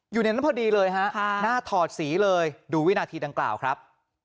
อยู่ในนั้นพอดีเลยฮะหน้าถอดสีเลยดูวินาทีดังกล่าวครับ